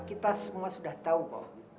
kita semua sudah tau kok